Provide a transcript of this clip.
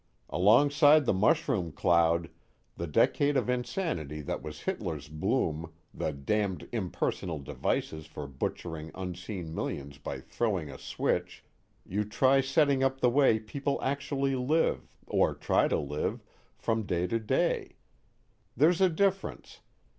Alongside the mushroom cloud, the decade of insanity that was Hitler's bloom, the damned impersonal devices for butchering unseen millions by throwing a switch, you try setting up the way people actually live, or try to live, from day to day: there's a difference.